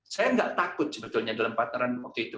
saya tidak takut sebetulnya dalam partneran waktu itu